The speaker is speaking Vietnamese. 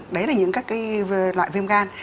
đấy là những các loại viêm gan